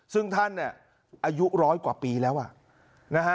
ซึ่งท่านเนี่ยอายุร้อยกว่าปีแล้วอ่ะนะฮะ